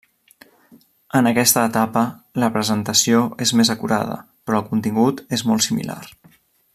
En aquesta etapa, la presentació és més acurada, però el contingut és molt similar.